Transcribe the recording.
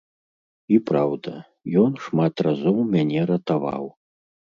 І праўда, ён шмат разоў мяне ратаваў.